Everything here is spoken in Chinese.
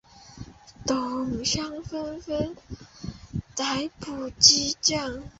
董相纷纷逮捕击杖。